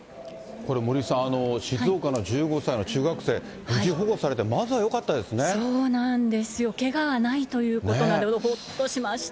これ、森さん、静岡の１５歳の中学生、無事保護されて、そうなんですよ、けがはないということなので、ほっとしました。